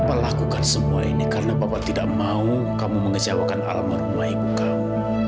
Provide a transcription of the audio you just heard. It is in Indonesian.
bapak lakukan semua ini karena bapak tidak mau kamu mengecewakan almarhumah ibu kamu